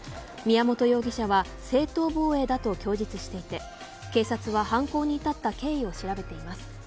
宮本容疑者は正当防衛だと供述していて警察は、犯行に至った経緯を調べています。